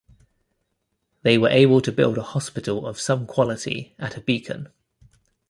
They were able to build a hospital of some quality at a beacon.